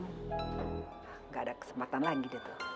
gak ada kesempatan lagi